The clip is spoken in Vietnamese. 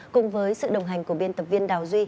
cùng với sự đồng hành của bộ giao thông vận tải